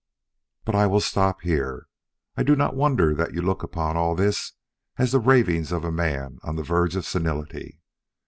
"But I will stop here. I do not wonder that you look upon all this as the ravings of a man on the verge of senility.